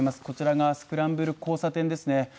こちらがスクランブル交差点ですね。